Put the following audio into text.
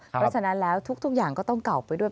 เพราะฉะนั้นแล้วทุกอย่างก็ต้องเก่าไปด้วย